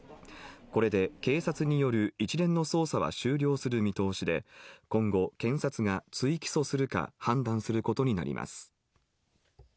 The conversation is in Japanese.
これで警察による一連の捜査は終了する見通しで、今後、検察が追起訴するか判断することになります。